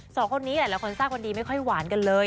สองคนนี้หลายคนทราบกันดีไม่ค่อยหวานกันเลย